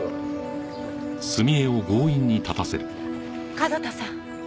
角田さん。